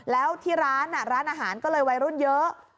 แล้วที่ร้านร้านอาหารก็เลยวัยรุ่นเยอะ